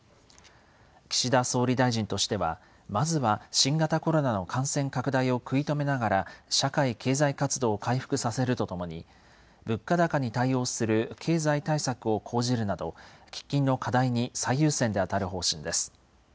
岸田総理大臣としては、まずは新型コロナの感染拡大を食い止めながら、社会経済活動を回復させるとともに、物価高に対応する経済対策を講じるなど、喫緊の課題に最優先で当たる方針です。